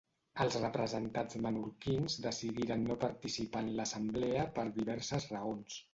Els representats menorquins decidiren no participar en l'assemblea per diverses raons.